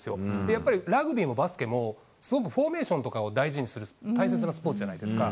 やっぱりラグビーもバスケも、すごくフォーメーションとかを大事にする、大切なスポーツじゃないですか。